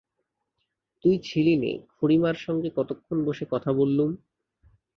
তুই ছিলিনে, খুড়িমার সঙ্গে কতক্ষণ বসে কথা বললাম।